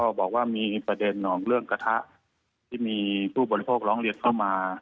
บอกว่ามีประเด็นของเรื่องกระทะที่มีผู้บริโภคร้องเรียนเข้ามา